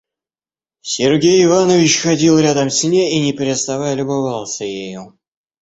Сергей Иванович ходил рядом с ней и не переставая любовался ею.